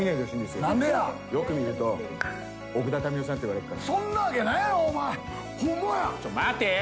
よく見ると奥田民生さんって言われっからそんなわけないやろお前ホンマやちょ待てよ！